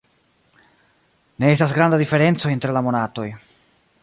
Ne estas granda diferenco inter la monatoj.